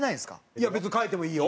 いや別に代えてもいいよ。